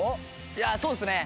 いやあそうですね。